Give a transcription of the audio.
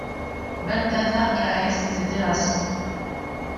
Balthazar Claës s'était rassis.